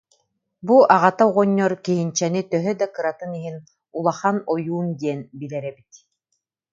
Бу аҕата оҕонньор Киһинчэни төһө да кыратын иһин улахан ойуун диэн билэр эбит